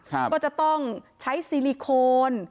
ก็จะต้องใช้ซิลิโคน